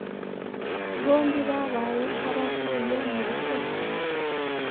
bombi babaye nkabavuye mu bitotsi